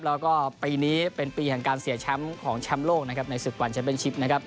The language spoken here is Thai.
แล้วก็ปีนี้เป็นปีแห่งการเสียแชมป์ของแชมป์โลกนะครับในศึกวันแชมเป็นชิปนะครับ